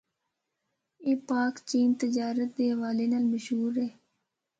اے پاک چین تجارت دے حوالے نال مشہور ہے۔